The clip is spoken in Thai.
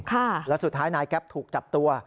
แล้วสุดท้ายนายแก๊ปถูกจับตัว